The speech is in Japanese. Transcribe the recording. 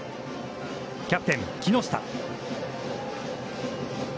キャプテン木下。